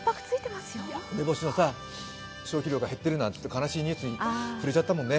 梅干しの消費量が減っているなんて、かなしいニュースにふれちゃったもんね。